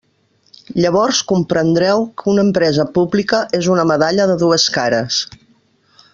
Llavors comprendreu que una empresa pública és una medalla de dues cares.